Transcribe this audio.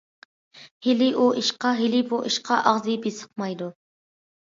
ھېلى ئۇ ئىشقا، ھېلى بۇ ئىشقا ئاغزى بېسىقمايدۇ.